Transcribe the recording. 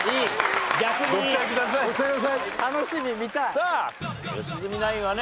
（さあ良純ナインはね